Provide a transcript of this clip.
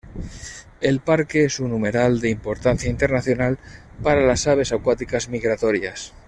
El parque es un humedal de importancia internacional para las aves acuáticas migratorias.